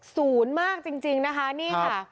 ศูนย์มากจริงนะคะนี่ค่ะ